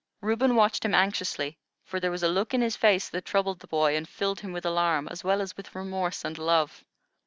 Reuben watched him anxiously, for there was a look in his face that troubled the boy and filled him with alarm, as well as with remorse and love.